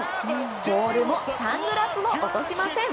ボールも、サングラスも落としません。